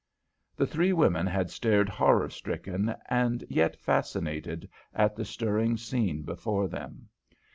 The three women had stared horror stricken and yet fascinated at the stirring scene before them.